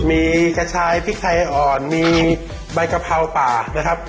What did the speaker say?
มีกระชายพริกไทยอ่อนมีใบกะเพราป่านะครับ